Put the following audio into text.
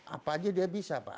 apa aja dia bisa pak